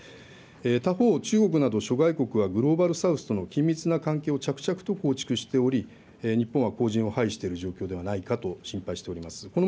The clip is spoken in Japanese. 他方、中国など諸外国はグローバル・サウスとの緊密な関係を着々と構築しており、日本は後塵をはいしている状況ではないかと心配しております。